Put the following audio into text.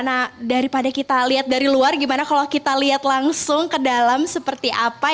nah daripada kita lihat dari luar gimana kalau kita lihat langsung ke dalam seperti apa